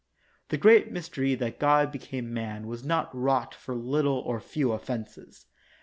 The great mystery that God be came man was not wrought for little or few offenses.